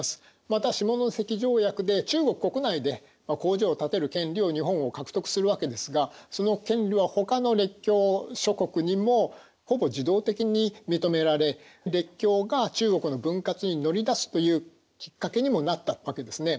また下関条約で中国国内で工場を建てる権利を日本は獲得するわけですがその権利はほかの列強諸国にもほぼ自動的に認められ列強が中国の分割に乗り出すというきっかけにもなったわけですね。